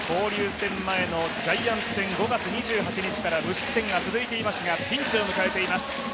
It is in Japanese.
戦前のジャイアンツ戦５月２８日から無失点が続いていますがピンチを迎えています。